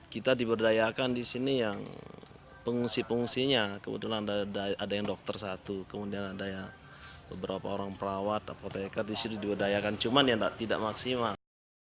kita diberdayakan disini yang pengungsi pengungsinya kebetulan ada yang dokter satu kemudian ada yang beberapa orang perawat apotekar disini diberdayakan cuma yang tidak maksimal